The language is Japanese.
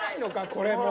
これもう。